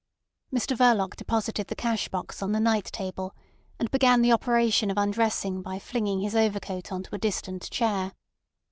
Mr Verloc deposited the cash box on the night table, and began the operation of undressing by flinging his overcoat on to a distant chair.